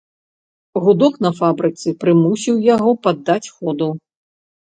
Гудок на фабрыцы прымусіў яго паддаць ходу.